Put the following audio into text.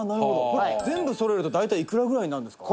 これ全部そろえると大体いくらぐらいになるんですか？」